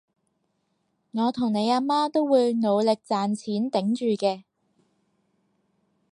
我同你阿媽都會努力賺錢頂住嘅